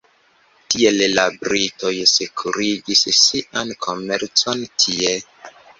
Tiele la britoj sekurigis sian komercon tie.